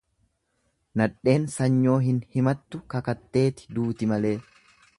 Nadheen sanyoo hin himattu kakatteeti duuti malee.